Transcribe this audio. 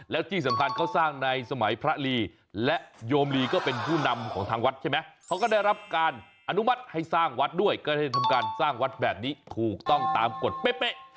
แล้วที่สำคัญเขาสร้างในสมัยพระลีและโยมลีก็เป็นผู้นำของทางวัดใช่ไหมเขาก็ได้รับการอนุมัติให้สร้างวัดด้วยก็ได้ทำการสร้างวัดแบบนี้ถูกต้องตามกฎเป๊ะ